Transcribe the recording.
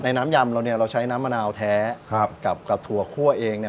น้ำยำเราเนี่ยเราใช้น้ำมะนาวแท้ครับกับถั่วคั่วเองเนี่ย